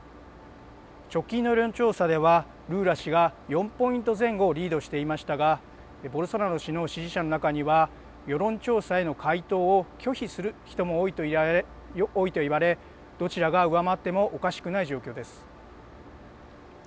直近の世論調査では、ルーラ氏が４ポイント前後リードしていましたが、ボルソナロ氏の支持者の中には世論調査への回答を拒否する人も多いといわれ、どちらが上回ってもおかしくない状況です。